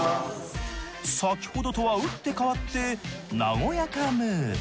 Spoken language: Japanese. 先ほどとは打って変わって和やかムード。